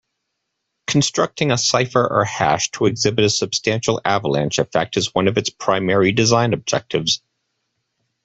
Constructing a cipher or hash to exhibit a substantial avalanche effect is one of its primary design objectives.